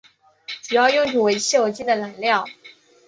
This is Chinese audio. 主要用途为汽油机的燃料。